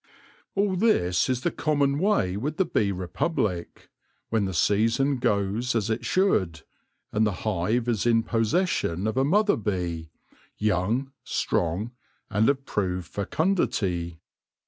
All this is the common way with the bee republic, when the season goes as it should ; and the hive is in possession of a mother bee — young, strong, and of proved fecundity.